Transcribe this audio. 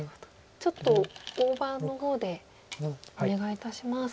ちょっと大盤の方でお願いいたします。